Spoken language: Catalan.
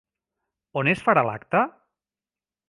On es farà l'acte?